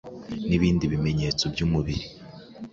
n’ibindi bimenyetso by’umubiri